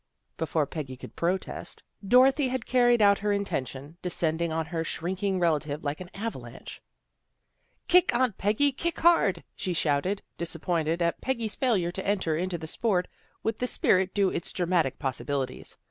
Before Peggy could protest, Dorothy had carried out her intention, descending on her shrinking relative like an avalanche. " Kick, Aunt Peggy! Kick hard!" she shouted, dis appointed at Peggy's failure to enter into the sport, with the spirit due its dramatic possibili ties.